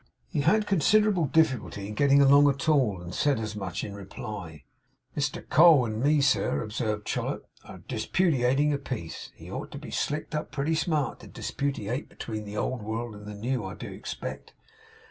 He had considerable difficulty in getting along at all, and said as much in reply. 'Mr Co. And me, sir,' observed Chollop, 'are disputating a piece. He ought to be slicked up pretty smart to disputate between the Old World and the New, I do expect?